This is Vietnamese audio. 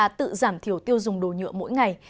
chúng ta tự giảm thiểu tiêu dùng đồ nhựa mỗi ngày